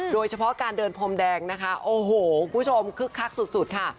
โดยเฉพาะการเดินพรมแดงนะคะโอ้โหคุณผู้ชมคึกคักสุดค่ะ